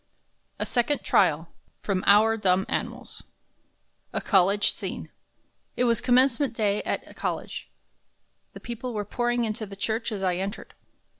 M A LOPER. A SECOND TRIAL A College Scene It was commencement day at college. The people were pouring into the church as I entered.